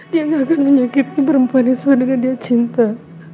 dia gak akan menyakiti perempuan itu dengan dia cinta